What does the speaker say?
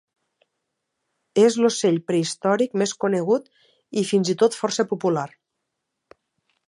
És l'ocell prehistòric més conegut, i fins i tot força popular.